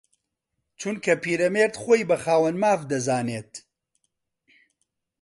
چونکە پیرەمێرد خۆی بە خاوەن ماف دەزانێت